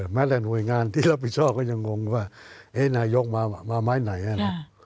แม้แต่หน่วยงานที่รับผิดชอบก็ยังงงว่านายกมาไม้ไหนนะ